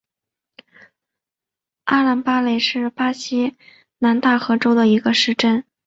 阿兰巴雷是巴西南大河州的一个市镇。